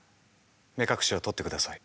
目隠しを取ってください。